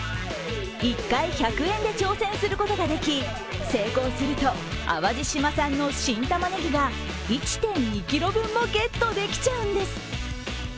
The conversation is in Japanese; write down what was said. １回１００円で挑戦することができ成功すると淡路島産の新たまねぎが１．２ｋｇ分もゲットできちゃうんです。